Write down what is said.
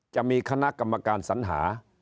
จะมีคณะกรรมการสัญหา